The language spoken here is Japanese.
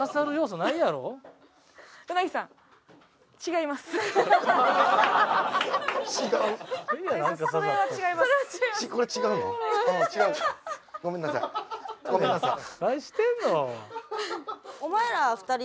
何してんの？